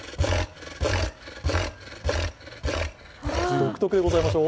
独特でございましょう。